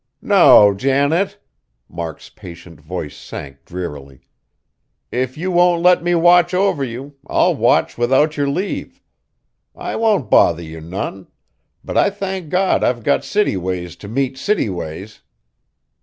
"No, Janet," Mark's patient voice sank drearily, "if you won't let me watch over you, I'll watch without yer leave. I won't bother you none, but I thank God I've got city ways t' meet city ways!